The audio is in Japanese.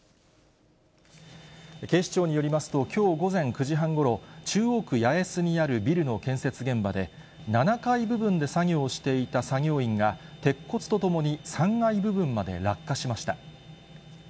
警視庁によりますと、きょう午前９時半ごろ、中央区八重洲にあるビルの建設現場で、７階部分で作業をしていた作業員が、鉄骨とともに３階部分まで落下しました。